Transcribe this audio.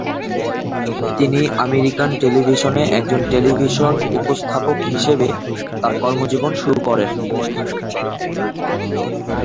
তিনি আমেরিকান টেলিভিশনে একজন টেলিভিশন উপস্থাপক হিসাবে তার কর্মজীবন শুরু করেন।